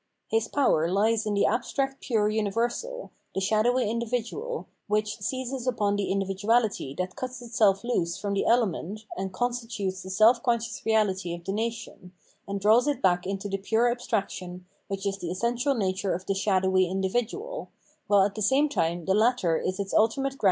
His power hes in the abstract pure universal, the shadowy individual, which seizes upon the individuality that cuts itseh loose from the element and constitutes the self conscious reahty of the nation, and draws it back into the pure abstraction which is the essential nature of the shadowy individual, while at the same time the latter is its ultimate ground * The description here refers to the process of bodily corruption.